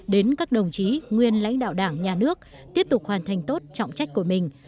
đến các đồng chí nguyên lãnh đạo đảng nhà nước tiếp tục hoàn thành tốt trọng trách của mình